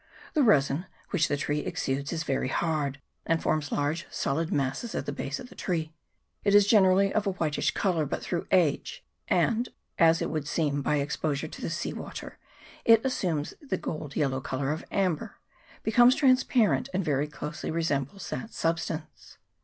The resin which the tree ex udates is very hard, and forms large solid masses at the base of the tree. It is generally of a whitish colour, but through age, and as it would seem by exposure to the sea water, it assumes the gold yellow colour of amber, becomes transparent, and very closely resembles that substance.